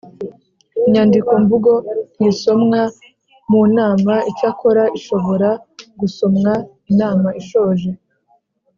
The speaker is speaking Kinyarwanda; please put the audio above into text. Inyandikomvugo ntisomwa mu nama icyakora ishobora gusomwa inam ishoje